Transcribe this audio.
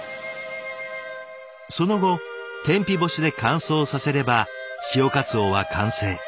その後天日干しで乾燥させれば潮かつおは完成。